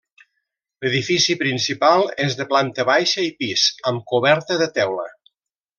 L'edifici principal és de planta baixa i pis, amb coberta de teula.